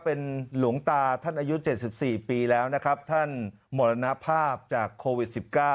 เป็นหลวงตาท่านอายุ๗๔ปีแล้วนะครับท่านมรณภาพจากโควิด๑๙